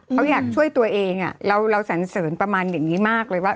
เขาอยากช่วยตัวเองเราสันเสริญประมาณอย่างนี้มากเลยว่า